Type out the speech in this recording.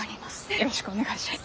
よろしくお願いします。